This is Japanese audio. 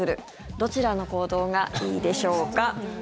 どちらの行動がいいでしょうか？